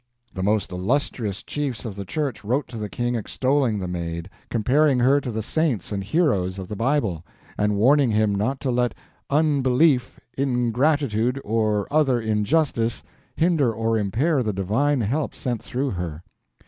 The most illustrious chiefs of the church wrote to the King extolling the Maid, comparing her to the saints and heroes of the Bible, and warning him not to let "unbelief, ingratitude, or other injustice" hinder or impair the divine help sent through her.